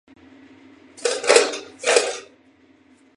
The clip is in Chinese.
内政及王国关系部辅佐政务。